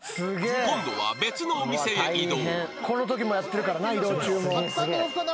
［今度は別のお店へ移動］